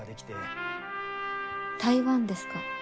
台湾ですか。